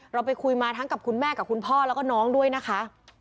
เราไปคุยมาทั้งกับคุณแม่กับคุณพ่อแล้วก็น้องด้วยนะคะ